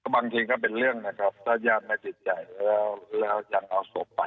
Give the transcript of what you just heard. บางทีก็เป็นเรื่องนะครับถ้าญาติไม่ติดใจแล้วยังเอาศพไป